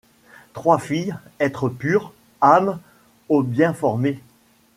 Trois filles ! êtres purs ! âmes au bien formées